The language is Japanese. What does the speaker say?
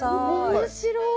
面白い。